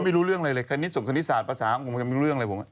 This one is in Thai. ไม่ต้องเลยเลยคณิตศัพท์คณิตศาสตร์ภาษาภาคมมันยังไม่เรื่องเลยผม